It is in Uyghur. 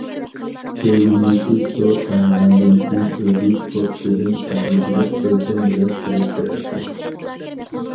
چۆگۈندىكى سۇ قاينىغاندىن كېيىن ئۆزى پوتىسىدىن چاينى ئېلىپ ئۆلچەم بىلەن سېلىپ بېرەتتى.